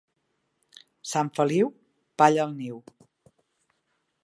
Sant Feliu, palla al niu.